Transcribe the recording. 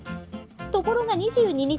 ところが２２日